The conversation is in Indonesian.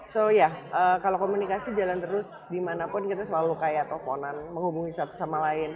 jadi ya kalau komunikasi jalan terus dimanapun kita selalu kayak toponan menghubungi satu sama lain